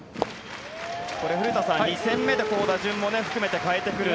古田さん、２戦目で打順も含めて変えてくる。